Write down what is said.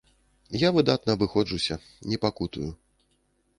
Я выдатна абыходжуся, не пакутую.